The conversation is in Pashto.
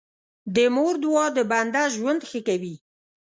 د مور دعا د بنده ژوند ښه کوي.